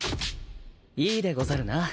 いいでござるな。